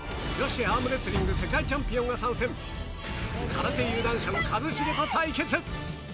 空手有段者の一茂と対決！